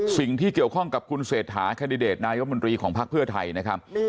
สิ่งที่เกี่ยวข้องกับคุณเศรษฐาแคนดิเดตนายมนตรีของพักเพื่อไทยนะครับ